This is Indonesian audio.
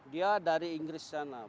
dia dari inggris sana